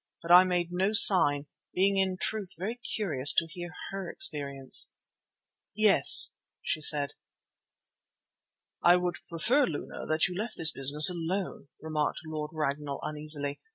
But I made no sign, being in truth very curious to hear her experience. "Yes," she said. "I would prefer, Luna, that you left this business alone," remarked Lord Ragnall uneasily.